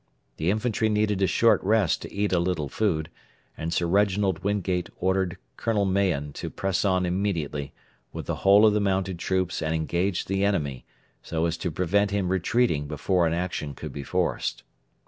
The infantry needed a short rest to eat a little food, and Sir Reginald Wingate ordered Colonel Mahon to press on immediately with the whole of the mounted troops and engage the enemy, so as to prevent him retreating before an action could be forced.